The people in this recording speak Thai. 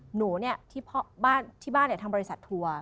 หนูเนี่ยที่บ้านทำบริษัททัวร์